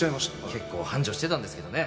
結構繁盛してたんですけどね。